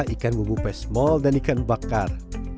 ikan bubu pesmol dan ikan bakar